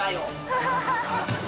ハハハ